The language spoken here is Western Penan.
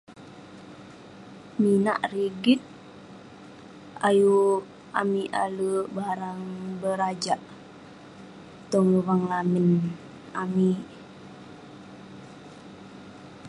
Minak rigit ayuk amik ale' barang berajak, tong luvang lamin amik.